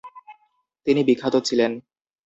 তিনি বিখ্যাত ছিলেন ।